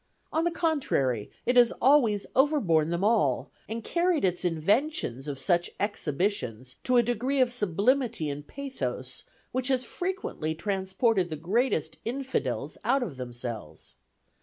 On the contrary, it has always overborne them all, and carried its inventions of such exhibitions to a degree of sublimity and pathos, which has frequently transported the greatest infidels out of themselves.